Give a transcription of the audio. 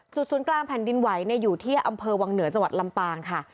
ศูนย์กลางแผ่นดินไหวอยู่ที่อำเภอวังเหนือจังหวัดลำปางค่ะ